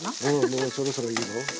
おうそろそろいいぞ。